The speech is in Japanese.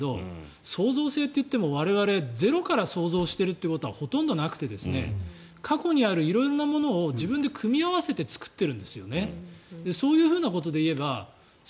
創造性って言葉が出ていますが創造性といっても我々はゼロから創造しているということはほとんどなくて過去にある色々なものを自分で組み合わせて作っているんですよね。